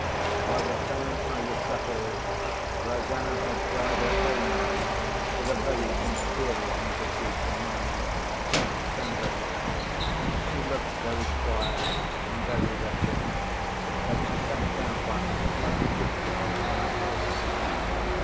By the time I was settled, Rosanna had dried her own eyes with a very inferior handkerchief to mine—cheap cambric. She looked very quiet, and very wretched; but she sat down by me like a good girl, when I told her.